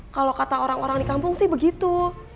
kalau kata orang orang di kampung sih begitu